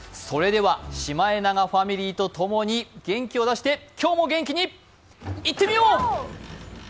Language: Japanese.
それではシマエナガファミリーと共に元気を出して今日も元気にいってみよう。